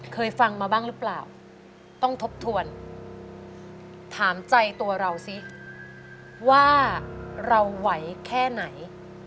เคยฟังมาบ้างหรือเปล่าต้องทบทวนถามใจตัวเราสิว่าเราไหวแค่ไหน